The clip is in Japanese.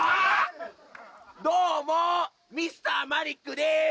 どうもＭｒ．マリックです